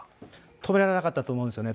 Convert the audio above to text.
止められなかったと思うんですね。